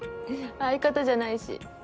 相方じゃないし。